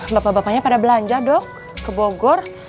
bapak bapaknya pada belanja dok ke bogor